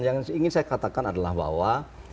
yang ingin saya katakan adalah bahwa